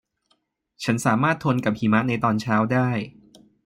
ฉันสามารถทนกับหิมะในตอนเช้าได้